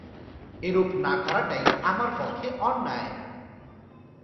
এরূপ না করাটাই আমার পক্ষে অন্যায়।